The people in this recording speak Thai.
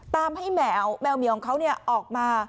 ตามให้แมวแมวเหมียของเขาออกมา